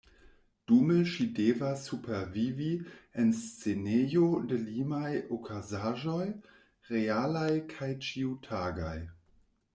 Dume ŝi devas supervivi en scenejo de limaj okazaĵoj, realaj kaj ĉiutagaj.